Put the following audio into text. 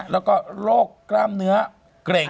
แล้วก็โรคกล้ามเนื้อเกร็ง